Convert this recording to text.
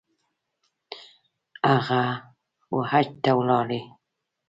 هغه ، وحج ته ولاړی